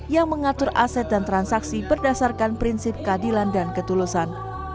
yang mengatur aset dan transaksi berdasarkan prinsip keadilan dan ketulusan